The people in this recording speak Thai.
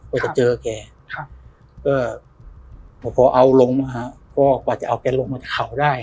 ว่าจะเจอแกครับก็พอเอาลงมาก็กว่าจะเอาแกลงมาจากเขาได้